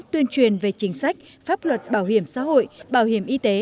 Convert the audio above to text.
tuyên truyền về chính sách pháp luật bảo hiểm xã hội bảo hiểm y tế